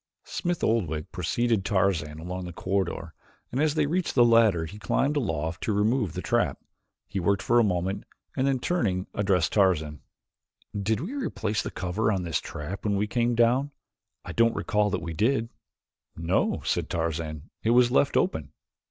Smith Oldwick preceded Tarzan along the corridor and as they reached the ladder he climbed aloft to remove the trap. He worked for a moment and then, turning, addressed Tarzan. "Did we replace the cover on this trap when we came down? I don't recall that we did." "No," said Tarzan, "it was left open."